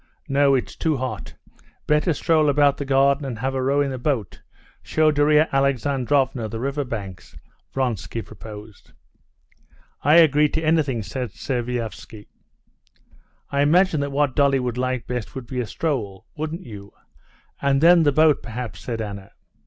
"No, it's too hot; better stroll about the garden and have a row in the boat, show Darya Alexandrovna the river banks." Vronsky proposed. "I agree to anything," said Sviazhsky. "I imagine that what Dolly would like best would be a stroll—wouldn't you? And then the boat, perhaps," said Anna.